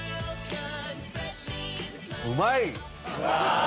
うまい！